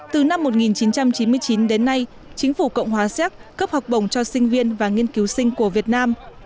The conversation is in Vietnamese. từ năm một nghìn chín trăm chín mươi chín đến nay chính phủ cộng hòa séc cấp học bổng cho sinh viên và nghiên cứu sinh của việt nam